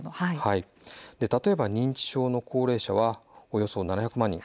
例えば認知症の高齢者はおよそ７００万人。